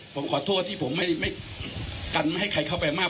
ผมขอโทษที่ผมไม่กันไม่ให้ใครเข้าไปมาก